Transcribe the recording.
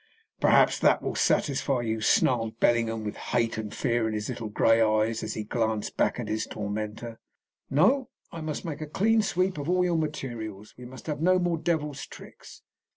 "Perhaps that will satisfy you," snarled Bellingham, with hate and fear in his little grey eyes as he glanced back at his tormenter. "No; I must make a clean sweep of all your materials. We must have no more devil's tricks.